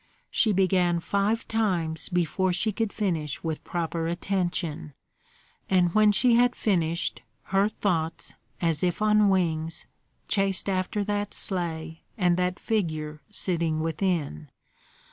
She began five times before she could finish with proper attention; and when she had finished, her thoughts, as if on wings, chased after that sleigh and that figure sitting within.